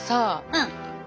うん。